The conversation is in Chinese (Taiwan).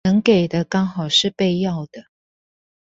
能給的剛好是被要的